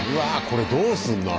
これどうすんの？